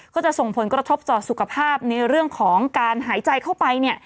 ก็จะส่งผลกระทบต่อสุขภาพในเรื่องของการหายใจเข้าไปเนี่ย